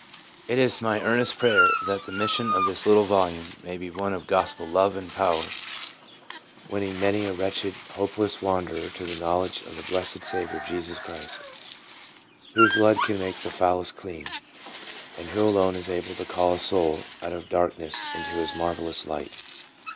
It is my earnest prayer that the mission of this little volume may be one of gospel love and power, Winning many a wretched, hopeless wanderer to the knowledge of the blessed Saviour Jesus Christ, "whose blood can make the foulest clean," and who alone is able to call a soul "out of darkness into his marvellous light."